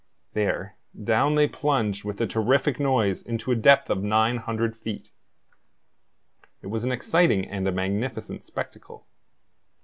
There, down they plunged with a terrific noise into a depth of 900 feet. It was an exciting and a magnificent spectacle.